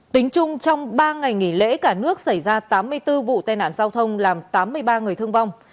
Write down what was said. tính chung trong ba ngày nghỉ lễ cả nước xảy ra tám mươi bốn vụ tai nạn giao thông làm tám mươi ba người thương vong